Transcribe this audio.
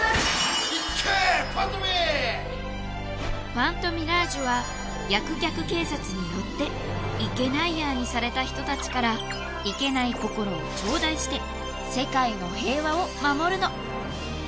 ファントミラージュは逆逆警察によってイケナイヤーにされた人たちからイケない心をちょーだいして世界の平和を守るの！